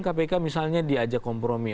kpk misalnya diajak kompromi